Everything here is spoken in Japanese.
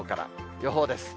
予報です。